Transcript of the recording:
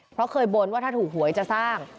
เพราะเคยบนว่าถ้าถูกหวยจะสร้าง